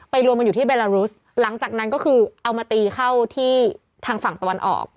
รวมกันอยู่ที่เบลารุสหลังจากนั้นก็คือเอามาตีเข้าที่ทางฝั่งตะวันออก